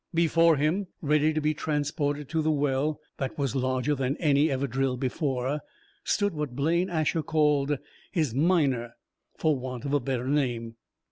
Before him, ready to be transported to the well that was larger than any ever drilled before, stood what Blaine Asher called his Miner, for want of a better name.